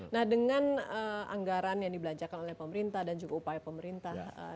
nah dengan anggaran yang dibelanjakan oleh pemerintah dan juga upaya pemerintah